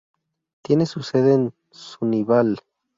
Tiene su sede en Sunnyvale.